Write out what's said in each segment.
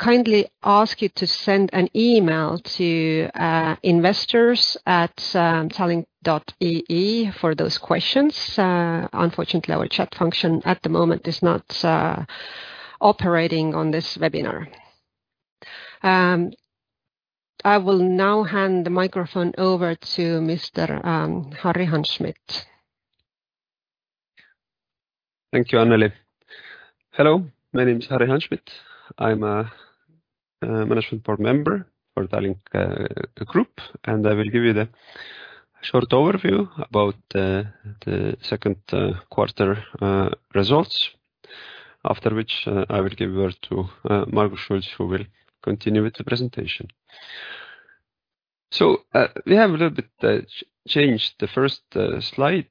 kindly ask you to send an email to investor@tallink.ee for those questions. Unfortunately, our chat function at the moment is not operating on this webinar. I will now hand the microphone over to Mr. Harri Hanschmidt. Thank you, Anneli. Hello, my name is Harri Hanschmidt. I'm a management board member for Tallink Grupp, and I will give you the short overview about the Q2 results, after which I will give over to Margus Schults, who will continue with the presentation. We have a little bit changed the first slide.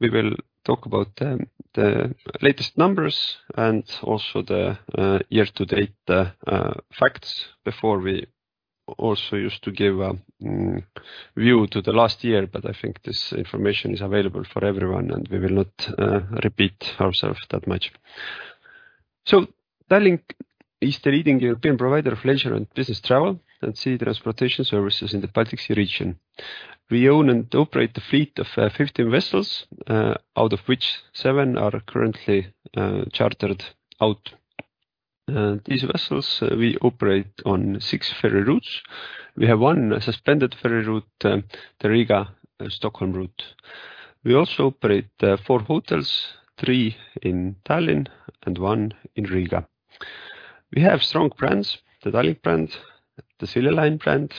We will talk about the latest numbers and also the year-to-date facts. Before we also used to give view to the last year, but I think this information is available for everyone, and we will not repeat ourselves that much. Tallink is the leading European provider of leisure and business travel and sea transportation services in the Baltic Sea region. We own and operate a fleet of 15 vessels, out of which seven are currently chartered out. These vessels we operate on 6 ferry routes. We have one suspended ferry route, the Riga-Stockholm route. We also operate four hotels, three in Tallinn and one in Riga. We have strong brands, the Tallink brand, the Silja Line brand,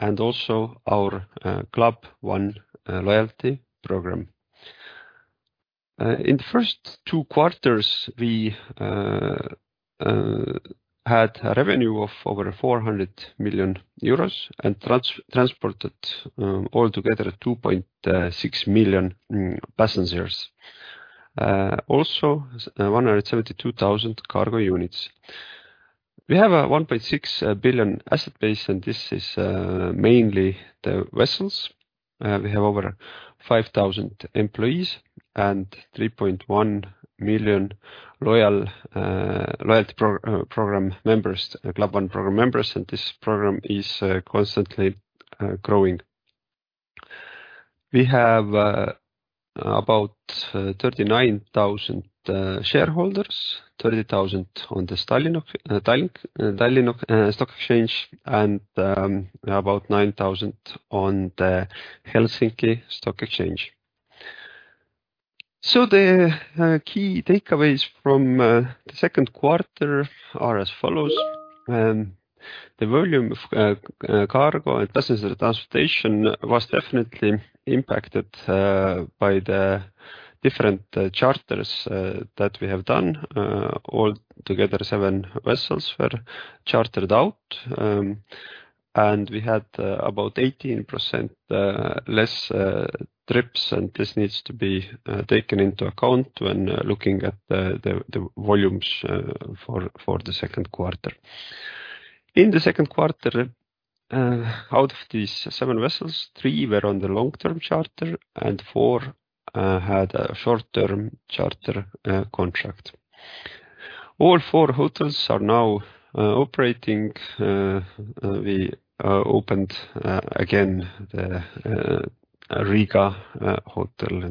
and also our Club One loyalty program. In the first 2 quarters, we had a revenue of over 400 million euros and transported altogether 2.6 million passengers. Also, 172,000 cargo units. We have a 1.6 billion asset base, and this is mainly the vessels. We have over 5,000 employees and 3.1 million loyal loyalty program members, Club One program members, and this program is constantly growing. We have about 39,000 shareholders, 30,000 on the Tallinn of Tallink, Tallinn Stock Exchange, and about 9,000 on the Helsinki Stock Exchange. The key takeaways from the Q2 are as follows: the volume of cargo and passenger transportation was definitely impacted by the different charters that we have done. All together, seven vessels were chartered out, and we had about 18% less trips, and this needs to be taken into account when looking at the volumes for the Q2. In the Q2, out of these seven vessels, three were on the long-term charter and four had a short-term charter contract. All four hotels are now operating. We opened again the Riga hotel,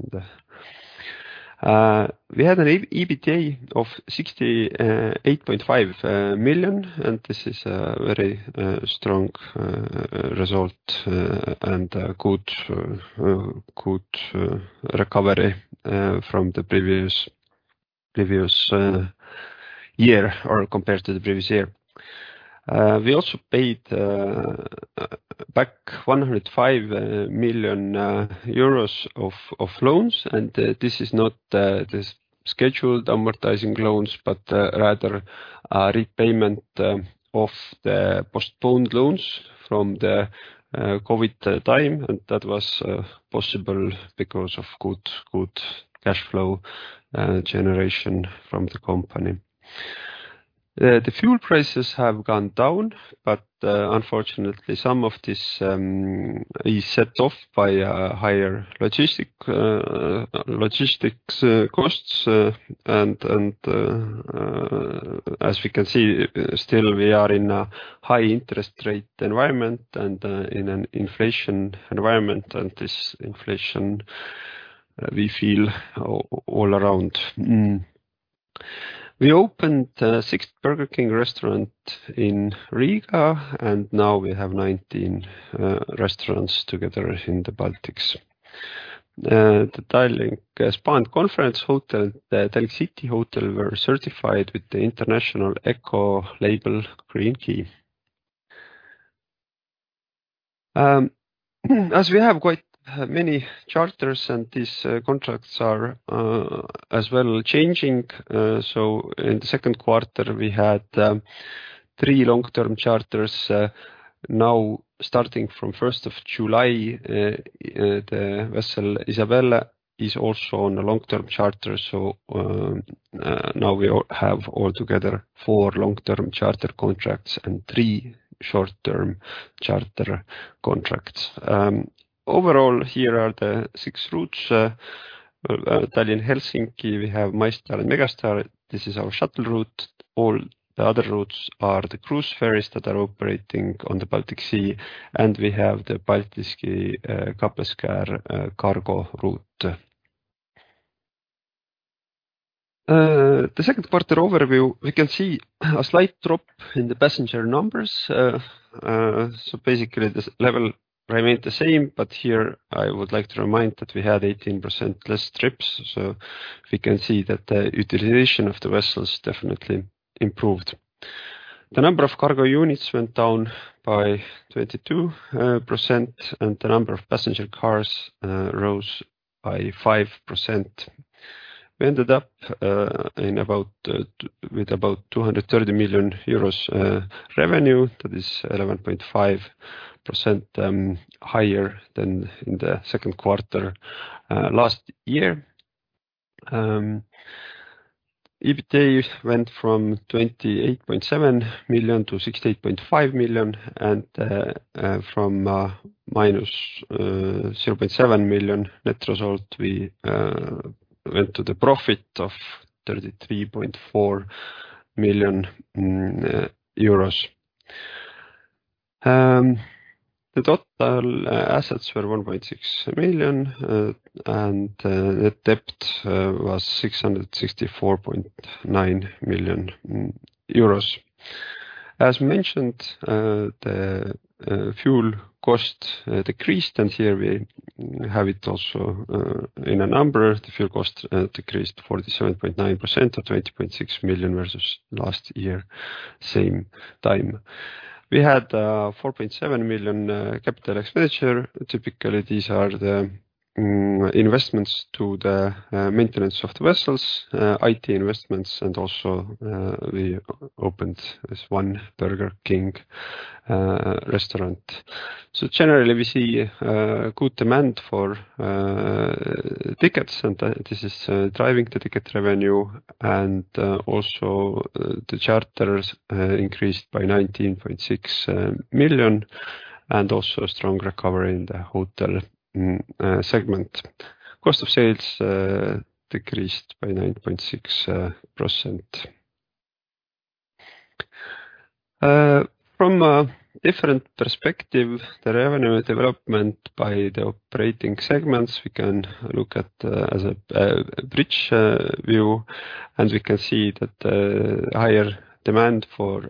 and we had an EBITDA of 68.5 million, and this is a very strong result and a good recovery from the previous year or compared to the previous year. We also paid back 105 million euros of loans, and this is not the scheduled amortizing loans, but rather a repayment of the postponed loans from the COVID time, and that was possible because of good cashflow generation from the company. The fuel prices have gone down, but unfortunately, some of this is set off by a higher logistics costs. As we can see, still we are in a high interest rate environment and in an inflation environment, and this inflation we feel all around. We opened a 6th Burger King restaurant in Riga, and now we have 19 restaurants together in the Baltics. The Tallink Spa & Conference Hotel, the Tallink City Hotel, were certified with the International Eco Label Green Key. As we have quite many charters and these contracts are as well changing, so in the Q2, we had three long-term charters. Now, starting from July 1st, the vessel Isabelle is also on a long-term charter. Now we all have altogether four long-term charter contracts and three short-term charter contracts. Overall, here are the six routes. Well, Tallinn, Helsinki, we have MyStar and Megastar. This is our shuttle route. All the other routes are the cruise ferries that are operating on the Baltic Sea, and we have the Paldiski, Kapellskär cargo route. The Q2 overview, we can see a slight drop in the passenger numbers. Basically, this level remained the same, but here I would like to remind that we had 18% less trips, we can see that the utilization of the vessels definitely improved. The number of cargo units went down by 22%, and the number of passenger cars rose by 5%. We ended up in about with about 230 million euros revenue. That is 11.5% higher than in the Q2 last year. EBITDA went from 28.7 million to 68.5 million and from -0.7 million net result, we went to the profit of 33.4 million euros. The total assets were 1.6 million and the debt was 664.9 million euros. As mentioned, the fuel cost decreased, and here we have it also in a number. The fuel cost decreased 47.9% to 20.6 million versus last year, same time. We had 4.7 million capital expenditure. Typically, these are the investments to the maintenance of the vessels, IT investments, and also we opened this one Burger King restaurant. Generally, we see good demand for tickets, and this is driving the ticket revenue, and also the charters increased by 19.6 million, and also a strong recovery in the hotel segment. Cost of sales decreased by 9.6%. From a different perspective, the revenue development by the operating segments, we can look at as a bridge view, and we can see that higher demand for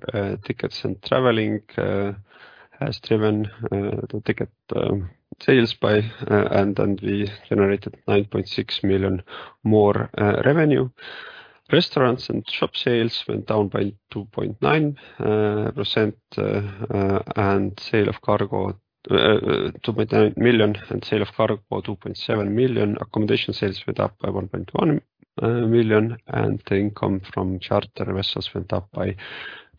tickets and traveling has driven the ticket sales by and we generated 9.6 million more revenue. Restaurants and shop sales went down by 2.9%, and sale of cargo, 2.9 million, and sale of cargo, 2.7 million. Accommodation sales went up by 1.1 million, and the income from charter vessels went up by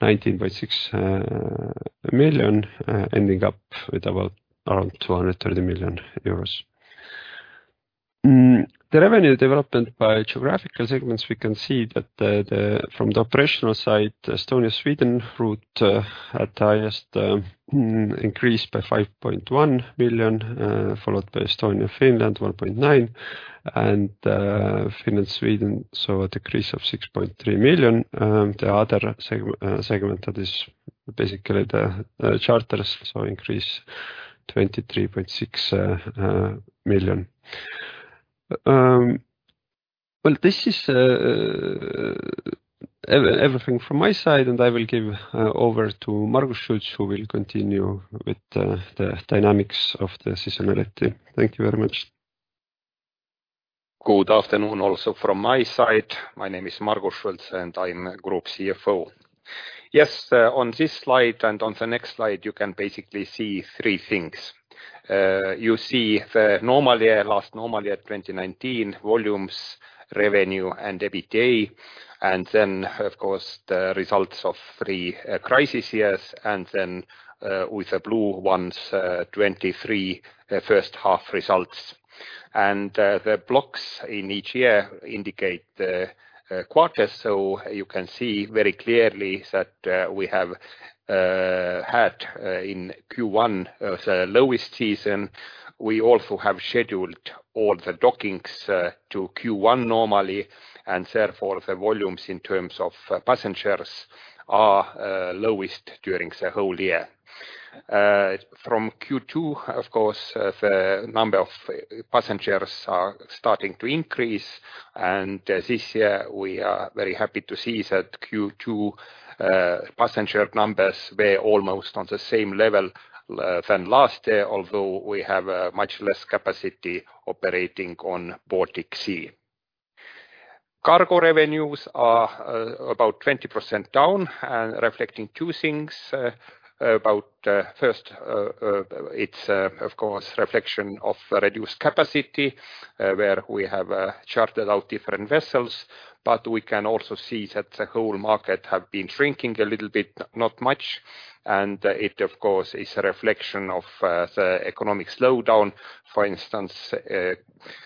19.6 million, ending up with about around 230 million euros. The revenue development by geographical segments, we can see that the from the operational side, Estonia-Sweden route had highest increase by 5.1 million, followed by Estonia and Finland, 1.9 million, and Finland, Sweden, saw a decrease of 6.3 million. The other segment, that is basically the charters, saw increase EUR 23.6 million. Well, this is everything from my side, and I will give over to Margus Schults, who will continue with the dynamics of the financial. Thank you very much. Good afternoon, also from my side. My name is Margus Schults. I'm Group CFO. On this slide and on the next slide, you can basically see three things. You see the normal year, last normal year, 2019, volumes, revenue, and EBITDA. Of course, the results of three crisis years, with the blue ones, 2023 H1 results. The blocks in each year indicate the quarters. You can see very clearly that we have had in Q1 the lowest season. We also have scheduled all the dockings to Q1 normally, therefore, the volumes in terms of passengers are lowest during the whole year. From Q2, of course, the number of passengers are starting to increase. This year, we are very happy to see that Q2 passenger numbers were almost on the same level than last year, although we have a much less capacity operating on Baltic Sea. Cargo revenues are about 20% down. Reflecting two things, first, it's of course reflection of reduced capacity, where we have chartered out different vessels. We can also see that the whole market have been shrinking a little bit, not much. It, of course, is a reflection of the economic slowdown. For instance,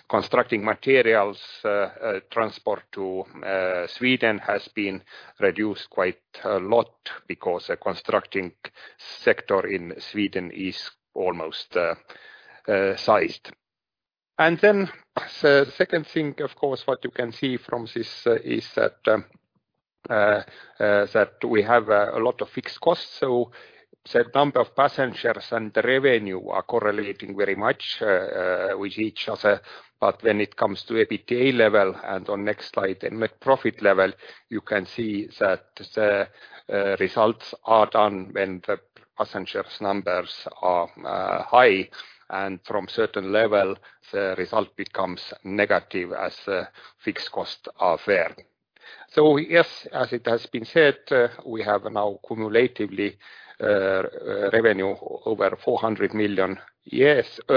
constructing materials transport to Sweden has been reduced quite a lot because the constructing sector in Sweden is almost sized. The second thing, of course, what you can see from this is that we have a lot of fixed costs. The number of passengers and the revenue are correlating very much with each other. When it comes to EBITDA level, and on next slide, the net profit level, you can see that the results are done when the passengers numbers are high, and from certain level, the result becomes negative as the fixed costs are there. Yes, as it has been said, we have now cumulatively revenue over 400 million, which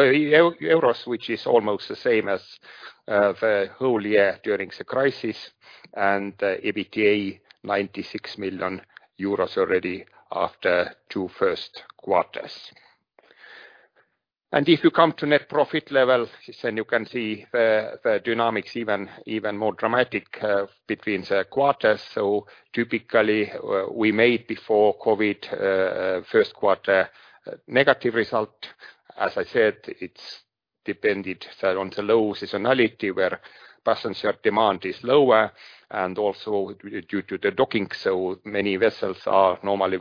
is almost the same as the whole year during the crisis, and EBITDA 96 million euros already after two first quarters. If you come to net profit level, you can see the dynamics even more dramatic between the quarters. Typically, we made before COVID Q1 negative result. As I said, it's depended on the low seasonality, where passenger demand is lower, and also due to the docking, many vessels are normally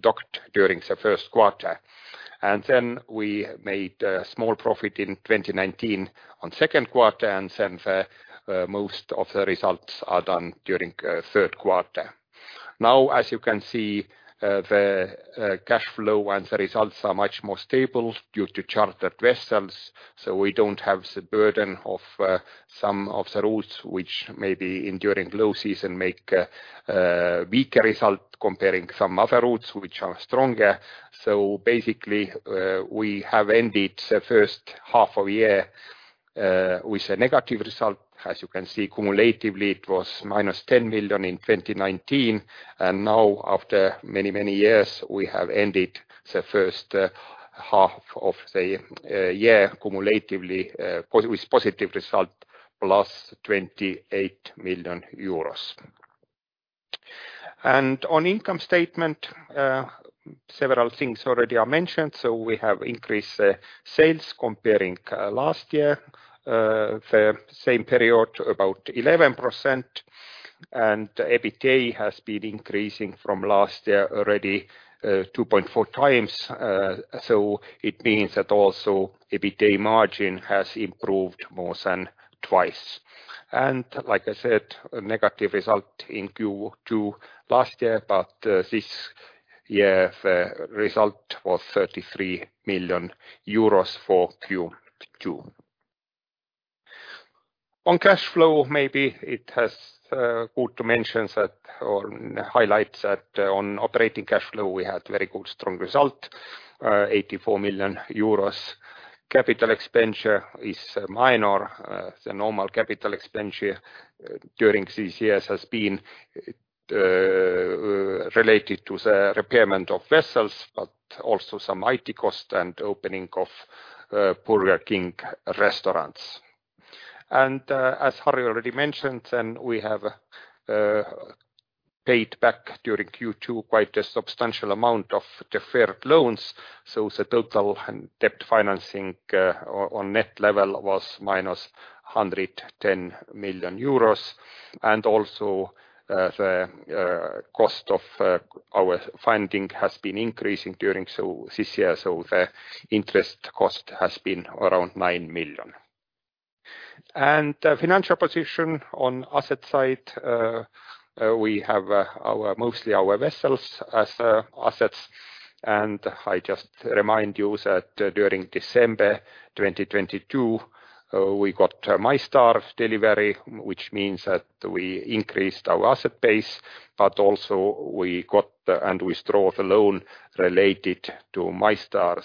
docked during the Q1. We made small profit in 2019 on Q2, most of the results are done during Q3. Now, as you can see, the cash flow and the results are much more stable due to chartered vessels, we don't have the burden of some of the routes which may be enduring low season make weaker result comparing some other routes which are stronger. Basically, we have ended the H1 of year with a negative result. As you can see, cumulatively, it was -10 million in 2019, now, after many, many years, we have ended the H1 of the year cumulatively with positive result, +28 million euros. On income statement, several things already are mentioned. We have increased sales comparing last year, the same period, about 11%, and EBITDA has been increasing from last year already 2.4x. It means that also, EBITDA margin has improved more than twice. Like I said, a negative result in Q2 last year, but this year, the result was 33 million euros for Q2. On cash flow, maybe it has good to mention that, or highlight that on operating cash flow, we had very good, strong result, 84 million euros. Capital expenditure is minor. The normal capital expenditure during these years has been related to the repairment of vessels, but also some IT cost and opening of Burger King restaurants. As Harri already mentioned, and we have paid back during Q2 quite a substantial amount of deferred loans, so the total and debt financing on net level was -110 million euros. Also, the cost of our funding has been increasing during this year, so the interest cost has been around 9 million. Financial position on asset side, we have our, mostly our vessels as assets. I just remind you that during December 2022, we got MyStar delivery, which means that we increased our asset base, but also we got and withdraw the loan related to MyStar.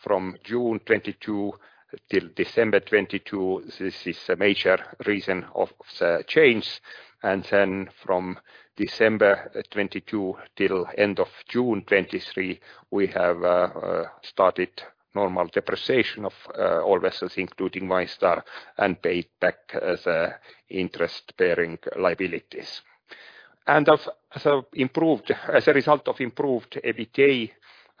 From June 2022 till December 2022, this is a major reason of the change. Then from December 2022 till end of June 2023, we have started normal depreciation of all vessels, including MyStar, and paid back the interest-bearing liabilities. As a result of improved EBITDA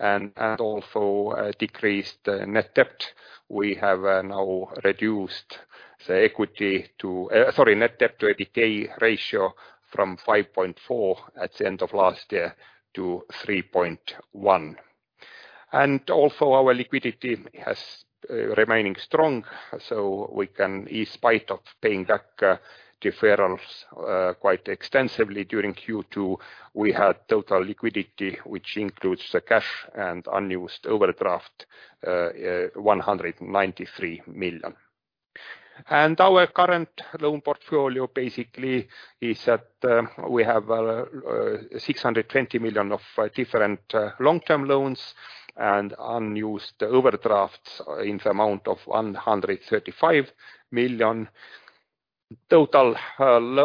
and also decreased net debt, we have now reduced the equity to, sorry, net debt to EBITDA ratio from 5.4 at the end of last year to 3.1. Also, our liquidity has remaining strong, so we can, in spite of paying back deferrals quite extensively during Q2, we had total liquidity, which includes the cash and unused overdraft, 193 million. Our current loan portfolio basically is that we have 620 million of different long-term loans and unused overdrafts in the amount of 135 million. Total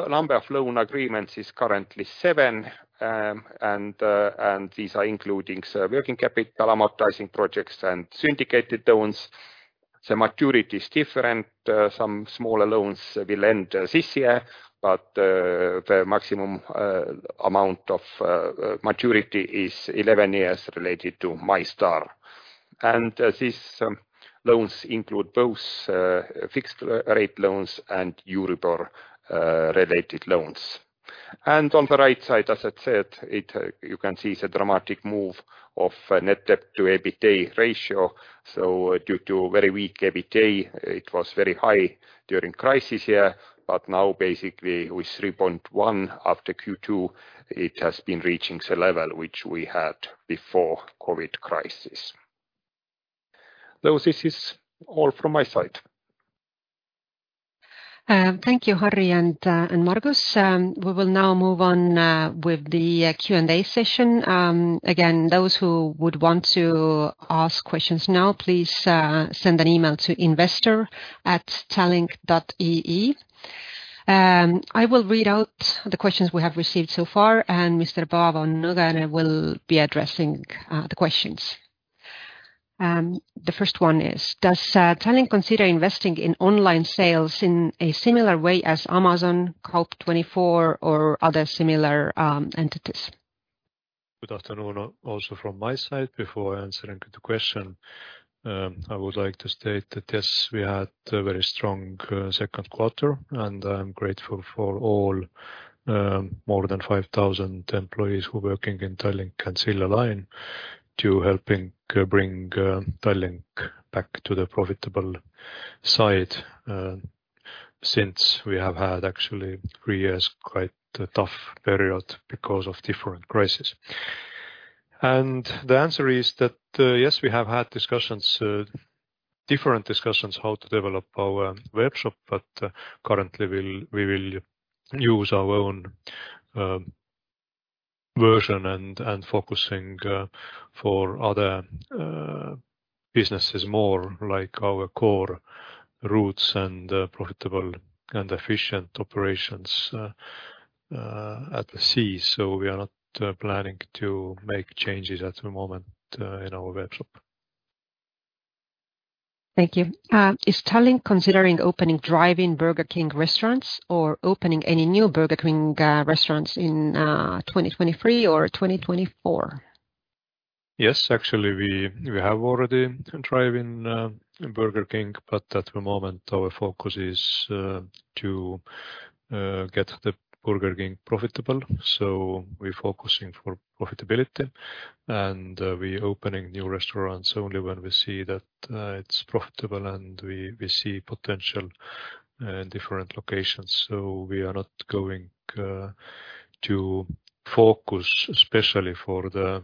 number of loan agreements is currently seven, and these are including the working capital, amortizing projects, and syndicated loans. The maturity is different. Some smaller loans will end this year, but the maximum amount of maturity is 11 years related to MyStar. These loans include both fixed rate loans and Euribor related loans. On the right side, as I said, it, you can see the dramatic move of net debt to EBITDA ratio. Due to very weak EBITDA, it was very high during crisis year, but now basically with 3.1 after Q2, it has been reaching the level which we had before COVID crisis. This is all from my side. Thank you, Harri and Margus. We will now move on with the Q&A session. Again, those who would want to ask questions now, please send an email to investor@tallink.ee. I will read out the questions we have received so far, and Mr. Paavo Nõgene will be addressing the questions. The first one is, Does Tallink consider investing in online sales in a similar way as Amazon, Kult24, or other similar entities? Good afternoon, also from my side. Before answering the question, I would like to state that, yes, we had a very strong Q2, and I'm grateful for all more than 5,000 employees who working in Tallink and Silja Line to helping bring Tallink back to the profitable side, since we have had actually three years, quite a tough period because of different crises. The answer is that, yes, we have had discussions, different discussions, how to develop our webshop, but currently, we will use our own version and focusing for other businesses more like our core routes and profitable and efficient operations at the sea. We are not planning to make changes at the moment in our webshop. Thank you. Is Tallink considering opening drive-in Burger King restaurants or opening any new Burger King restaurants in 2023 or 2024? Yes, actually, we have already a drive-in in Burger King, but at the moment our focus is to get the Burger King profitable. We're focusing for profitability, and we opening new restaurants only when we see that it's profitable and we see potential in different locations. We are not going to focus, especially for the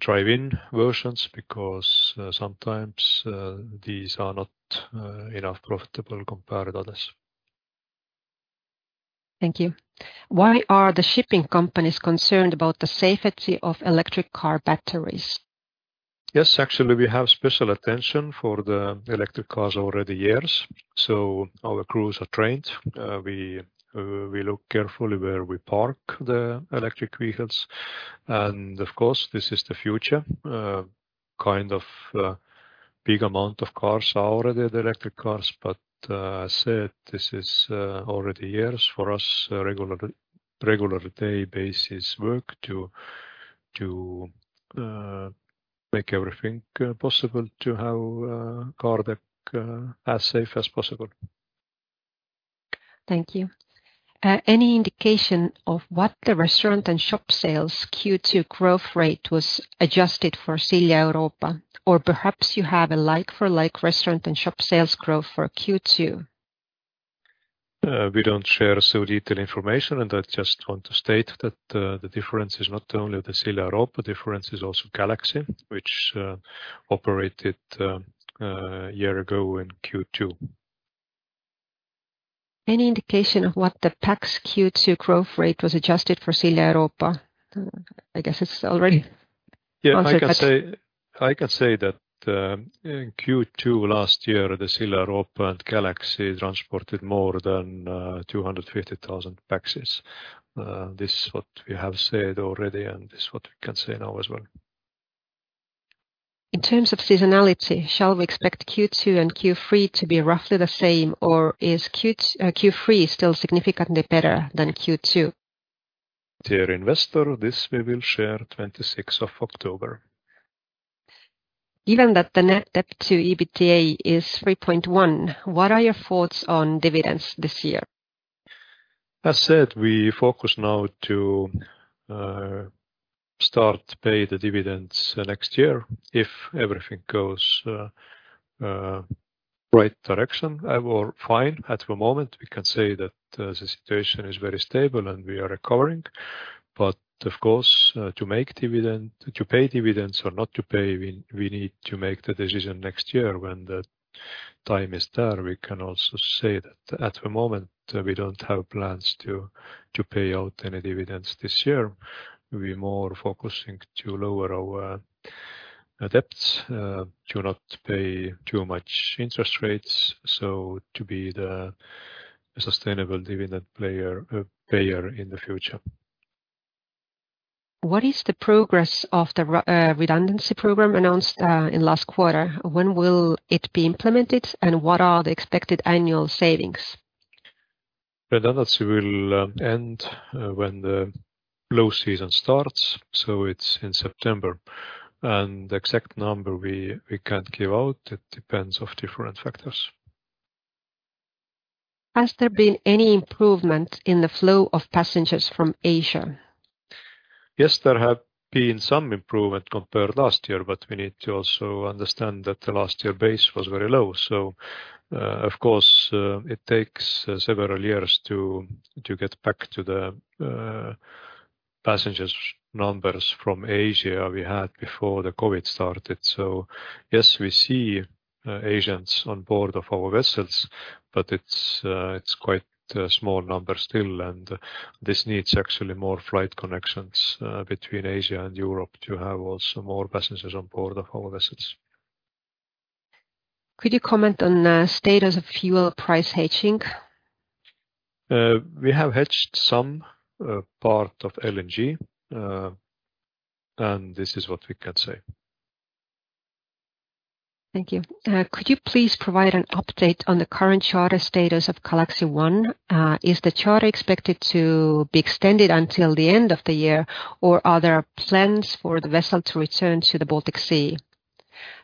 drive-in versions, because sometimes these are not enough profitable compared to others. Thank you. Why are the shipping companies concerned about the safety of electric car batteries? Yes, actually, we have special attention for the electric cars already years. Our crews are trained. We look carefully where we park the electric vehicles, and of course, this is the future, kind of, big amount of cars are already the electric cars, but I said, this is already years for us, regularly, regular day basis work to make everything possible to have car deck as safe as possible. Thank you. Any indication of what the restaurant and shop sales Q2 growth rate was adjusted for Silja Europa? Perhaps you have a like for like restaurant and shop sales growth for Q2? We don't share so detailed information, and I just want to state that the difference is not only the Silja Europa, difference is also Galaxy, which operated year ago in Q2. Any indication of what the tax Q2 growth rate was adjusted for Silja Europa? I guess it's already... Yeah, I can say- Answered. I can say that in Q2 last year, the Silja Europa and Galaxy transported more than 250,000 passengers. This is what we have said already, and this is what we can say now as well. In terms of seasonality, shall we expect Q2 and Q3 to be roughly the same, or is Q3 still significantly better than Q2? Dear investor, this we will share October 26th. Even that the net debt to EBITDA is 3.1, what are your thoughts on dividends this year? As said, we focus now to start pay the dividends next year. If everything goes right direction, I will fine. At the moment, we can say that the situation is very stable and we are recovering. Of course, to make dividend, to pay dividends or not to pay, we need to make the decision next year when the time is there. We can also say that at the moment, we don't have plans to pay out any dividends this year. We're more focusing to lower our debts to not pay too much interest rates, so to be the sustainable dividend player, payer in the future. What is the progress of the redundancy program announced in last quarter? When will it be implemented, and what are the expected annual savings? Redundancy will end when the low season starts, so it's in September. The exact number we can't give out. It depends of different factors. Has there been any improvement in the flow of passengers from Asia? Yes, there have been some improvement compared last year, we need to also understand that the last year base was very low. Of course, it takes several years to get back to the passengers numbers from Asia we had before the COVID started. Yes, we see Asians on board of our vessels, but it's quite a small number still, and this needs actually more flight connections between Asia and Europe to have also more passengers on board of our vessels. Could you comment on status of fuel price hedging? We have hedged some part of LNG, and this is what we can say. Thank you. Could you please provide an update on the current charter status of Galaxy I? Is the charter expected to be extended until the end of the year, or are there plans for the vessel to return to the Baltic Sea?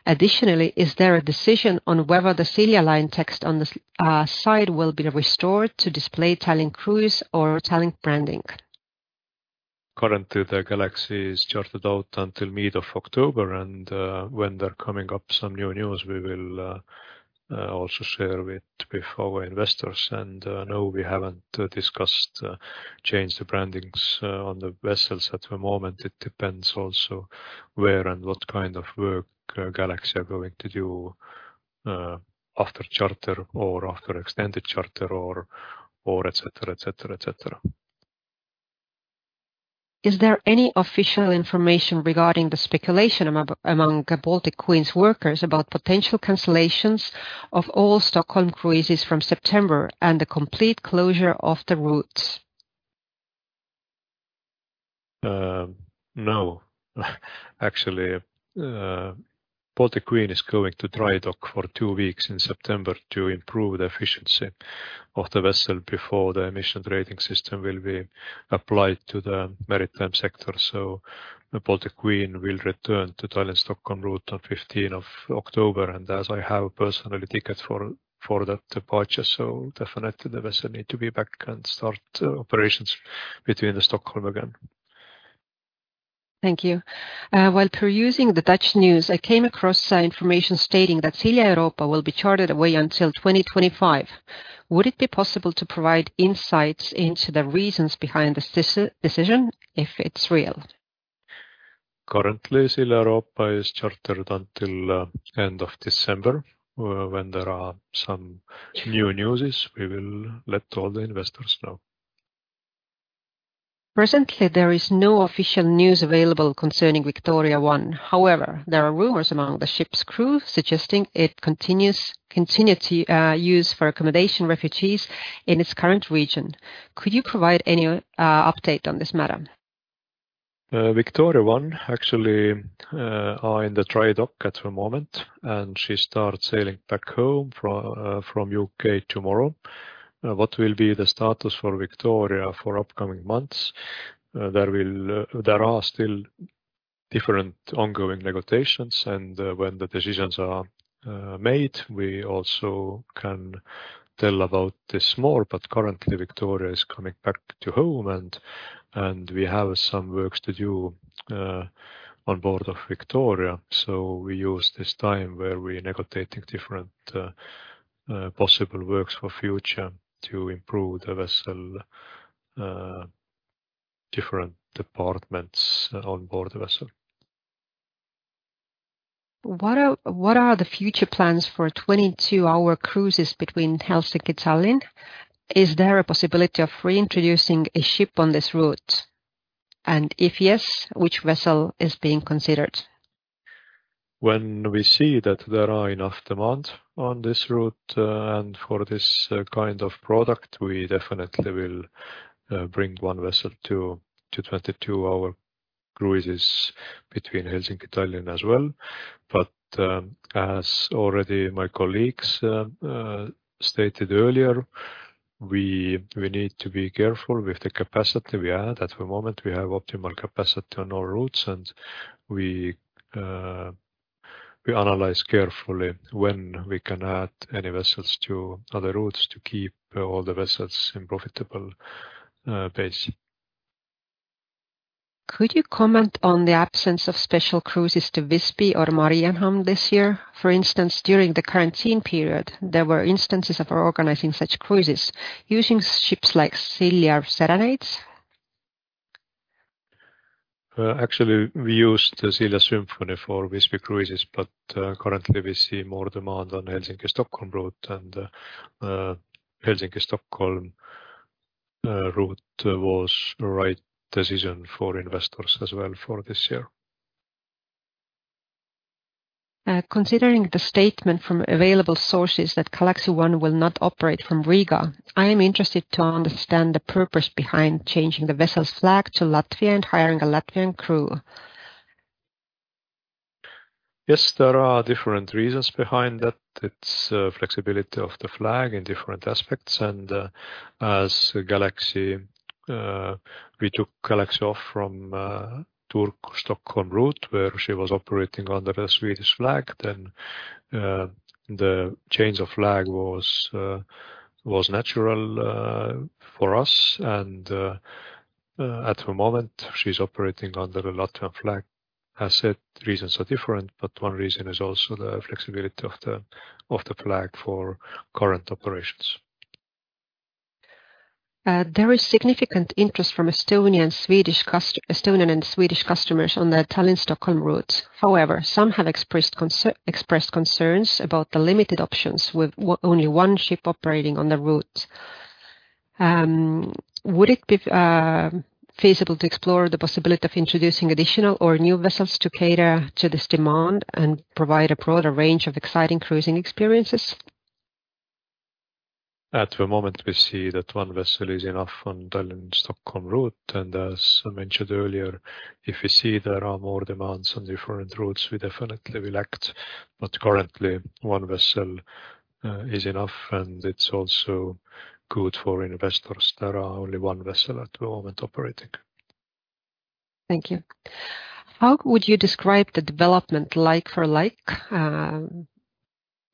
Additionally, is there a decision on whether the Silja Line text on the site will be restored to display Tallink cruise or Tallink branding? Currently, the Galaxy is chartered out until mid of October. When they're coming up some new news, we will also share it with our investors. No, we haven't discussed change the brandings on the vessels at the moment. It depends also where and what kind of work Galaxy are going to do after charter or after extended charter or et cetera, et cetera, et cetera. Is there any official information regarding the speculation among Baltic Queen's workers about potential cancellations of all Stockholm cruises from September and the complete closure of the routes? No. Actually, Baltic Queen is going to dry dock for two weeks in September to improve the efficiency of the vessel before the emission rating system will be applied to the maritime sector. Baltic Queen will return to Tallink Stockholm route on October 15th, and as I have personally ticket for that departure, so definitely the vessel need to be back and start operations between the Stockholm again. Thank you. While perusing the Dutch news, I came across information stating that Silja Europa will be chartered away until 2025. Would it be possible to provide insights into the reasons behind this decision, if it's real? Currently, Silja Europa is chartered until end of December. When there are some new newses, we will let all the investors know. Presently, there is no official news available concerning Victoria I. However, there are rumors among the ship's crew suggesting it continued to use for accommodation refugees in its current region. Could you provide any update on this matter? Victoria I, actually, are in the dry dock at the moment, and she start sailing back home from U.K. tomorrow. What will be the status for Victoria for upcoming months? There are still different ongoing negotiations, and when the decisions are made, we also can tell about this more. Currently, Victoria is coming back to home, and we have some works to do on board of Victoria. We use this time where we're negotiating different possible works for future to improve the vessel, different departments on board the vessel. What are the future plans for 22-hour cruises between Helsinki to Tallinn? Is there a possibility of reintroducing a ship on this route? If yes, which vessel is being considered? When we see that there are enough demand on this route, and for this kind of product, we definitely will bring one vessel to 22-hour cruises between Helsinki to Tallinn as well. As already my colleagues stated earlier, we need to be careful with the capacity we have. At the moment, we have optimal capacity on all routes, and we analyze carefully when we can add any vessels to other routes to keep all the vessels in profitable base. Could you comment on the absence of special cruises to Visby or Mariehamn this year? For instance, during the quarantine period, there were instances of organizing such cruises using ships like Silja Serenade. Actually, we used Silja Symphony for Visby cruises, but currently we see more demand on Helsinki-Stockholm route and Helsinki-Stockholm route was right decision for investors as well for this year. Considering the statement from available sources that Galaxy I will not operate from Riga, I am interested to understand the purpose behind changing the vessel's flag to Latvia and hiring a Latvian crew. Yes, there are different reasons behind that. It's flexibility of the flag in different aspects, and as Galaxy, we took Galaxy off from Turku-Stockholm route, where she was operating under a Swedish flag, then the change of flag was natural for us. At the moment, she's operating under a Latvian flag. As said, reasons are different, but one reason is also the flexibility ofof the flag for current operations. There is significant interest from Estonian, and Swedish customers on the Tallinn-Stockholm route. Some have expressed concerns about the limited options, with only one ship operating on the route. Would it be feasible to explore the possibility of introducing additional or new vessels to cater to this demand and provide a broader range of exciting cruising experiences? At the moment, we see that one vessel is enough on Tallinn-Stockholm route, and as I mentioned earlier, if we see there are more demands on different routes, we definitely will act. Currently, one vessel is enough, and it's also good for investors. There are only one vessel at the moment operating. Thank you. How would you describe the development, like for like,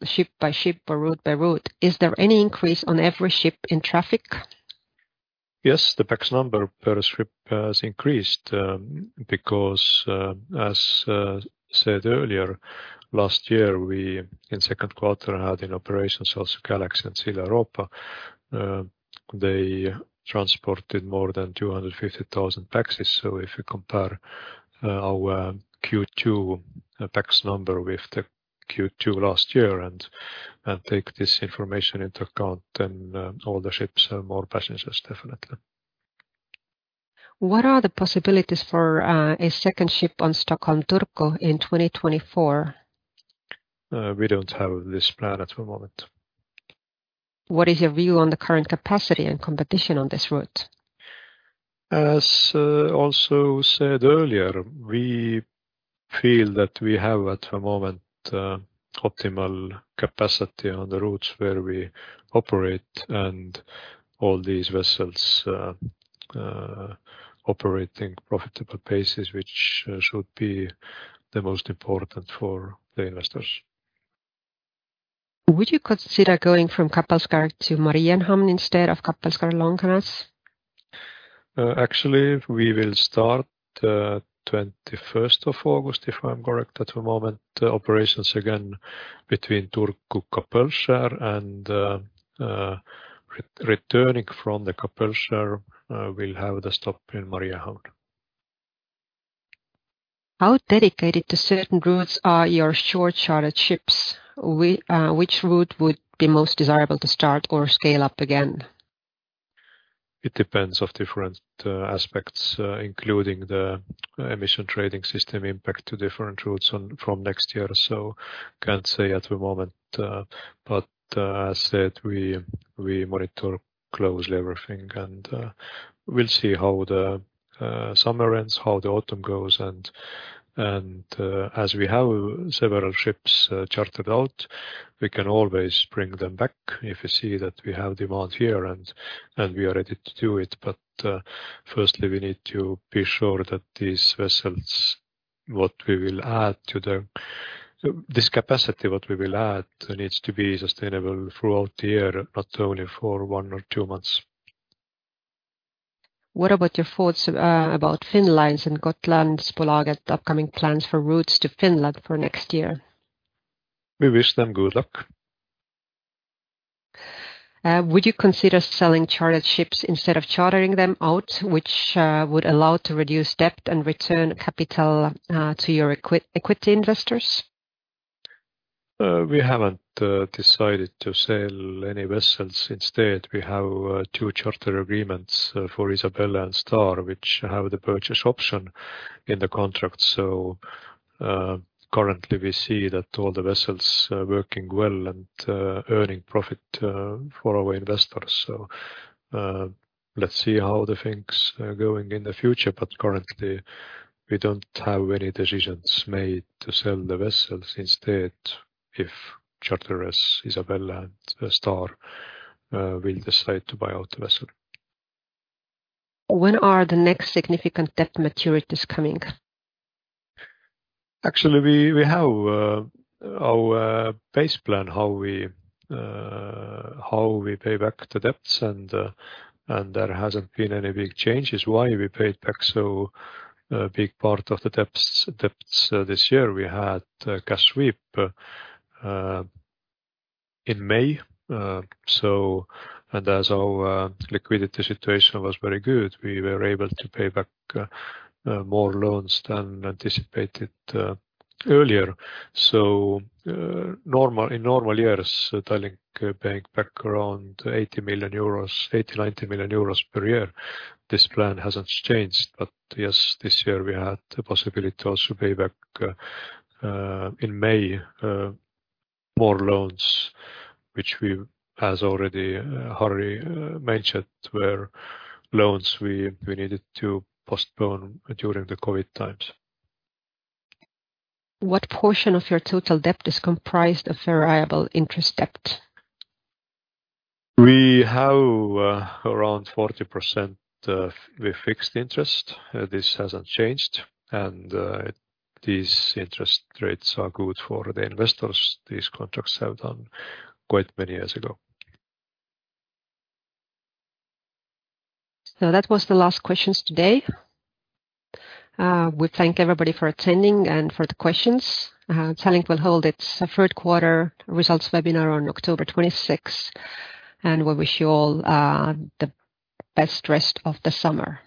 ship by ship or route by route? Is there any increase on every ship in traffic? Yes, the pax number per ship has increased, because as said earlier, last year, we in Q2 had in operations also Galaxy and Silja Europa. They transported more than 250,000 passengers. If you compare our Q2 pax number with the Q2 last year and take this information into account, then all the ships have more passengers, definitely. What are the possibilities for a second ship on Stockholm-Turku in 2024? We don't have this plan at the moment. What is your view on the current capacity and competition on this route? As also said earlier, we feel that we have, at the moment, optimal capacity on the routes where we operate, and all these vessels operating profitable basis, which should be the most important for the investors. Would you consider going from Kapellskär to Mariehamn instead of Kapellskär Långnäs? Actually, we will start August 21st, if I'm correct, at the moment, operations again between Turku, Kapellskär, and, returning from the Kapellskär, we'll have the stop in Mariehamn. How dedicated to certain routes are your short chartered ships? Which route would be most desirable to start or scale up again? It depends of different aspects, including the emission trading system impact to different routes on, from next year. Can't say at the moment. As said, we monitor closely everything, and we'll see how the summer ends, how the autumn goes, and as we have several ships chartered out, we can always bring them back if we see that we have demand here, and we are ready to do it. Firstly, we need to be sure that This capacity, what we will add, needs to be sustainable throughout the year, not only for one or two months. What about your thoughts about Finnlines and Gotlandsbolaget upcoming plans for routes to Finland for next year? We wish them good luck. Would you consider selling chartered ships instead of chartering them out, which would allow to reduce debt and return capital to your equity investors? We haven't decided to sell any vessels. Instead, we have two charter agreements for Isabelle and Star, which have the purchase option in the contract. Currently, we see that all the vessels are working well and earning profit for our investors. Let's see how the things are going in the future, but currently, we don't have any decisions made to sell the vessels. Instead, if charterers Isabelle and Star will decide to buy out the vessel. When are the next significant debt maturities coming? Actually, we have our base plan, how we pay back the debts, and there hasn't been any big changes, why we paid back so big part of the debts. This year, we had a cash sweep in May. As our liquidity situation was very good, we were able to pay back more loans than anticipated earlier. Normal, in normal years, Tallink paying back around 80 million-90 million euros per year. This plan hasn't changed. Yes, this year we had the possibility to also pay back in May more loans, which we, as already Harri mentioned, were loans we needed to postpone during the COVID times. What portion of your total debt is comprised of variable interest debt? We have, around 40%, with fixed interest. This hasn't changed. These interest rates are good for the investors. These contracts were done quite many years ago. That was the last questions today. We thank everybody for attending and for the questions. Tallink will hold its Q3 results webinar on October 26th, and we wish you all the best rest of the summer.